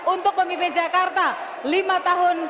untuk memimpin jakarta lima tahun